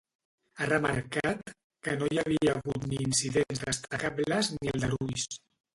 Ha remarcat que no hi havia hagut ni incidents destacables ni aldarulls.